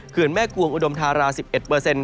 เขื่อนแม่กวงอุดมธารา๑๑เปอร์เซ็นต์